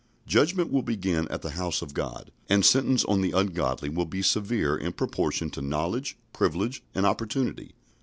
Judgment will begin at the house of God, and sentence on the ungodly will be severe in proportion to knowledge, privilege, and opportunity.